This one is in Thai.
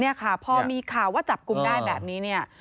นี่ค่ะพอมีข่าวว่าจับกุมได้แบบนี้